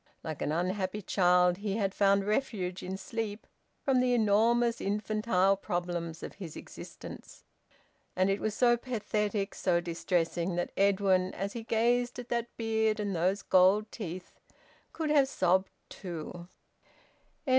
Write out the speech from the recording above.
Like an unhappy child, he had found refuge in sleep from the enormous, infantile problems of his existence. And it was so pathetic, so distressing, that Edwin, as he gazed at that beard and those gold teeth, could have sobbed too.